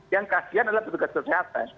yang kasian adalah petugas kesehatan